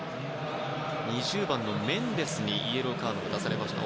２０番のメンデスにイエローカードが出されました。